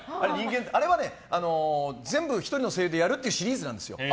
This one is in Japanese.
あれは全部１人の声優でやるっていうシリーズなんですよ。